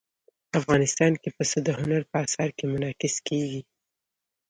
افغانستان کې پسه د هنر په اثار کې منعکس کېږي.